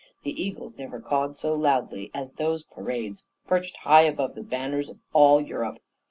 The eagles never cawed so loud as at those parades, perched high above the banners of all Europe.